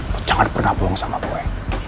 lo jangan pernah bohong sama gue